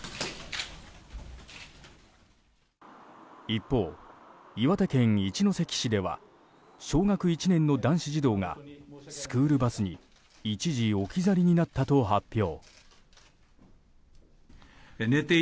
一方、岩手県一関市では小学１年の男子児童がスクールバスに一時置き去りになったと発表。